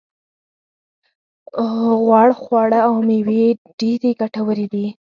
غوړ خواړه او مېوې یې ډېرې خوړلې.